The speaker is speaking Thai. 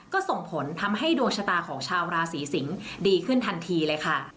ก็ส่งผลทำให้ดวงชะตาของชาวราศีสิงศ์ดีขึ้นทันทีเลยค่ะ